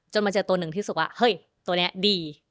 มาเจอตัวหนึ่งที่รู้สึกว่าเฮ้ยตัวนี้ดี